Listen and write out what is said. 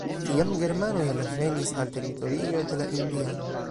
Tiam germanoj alvenis al teritorio de la indianoj.